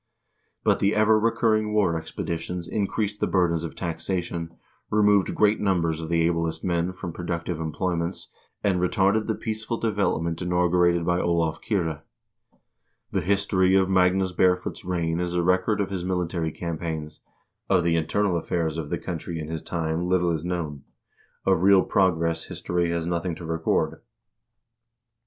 But the 1 Morkinskinna, p. 137. A REVIVAL OF THE VIKING SPIRIT. MAGNUS BAREFOOT 305 ever recurring war expeditions increased the burdens of taxation, removed great numbers of the ablest men from productive employ ments, and retarded the peaceful development inaugurated by Olav Kyrre. The history of Magnus Barefoot's reign is a record of his military campaigns ; of the internal affairs of the country in his time little is known ; of real progress history has nothing to record.